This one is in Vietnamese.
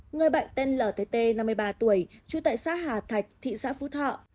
người bệnh tên lt năm mươi ba tuổi trú tại xã hà thạch thị xã phú thọ